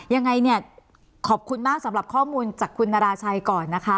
ยังไงเนี่ยขอบคุณมากสำหรับข้อมูลจากคุณนาราชัยก่อนนะคะ